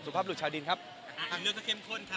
สุภาพรุชชาวดีนครับครับอันนี้ก็เข้มข้นค่ะ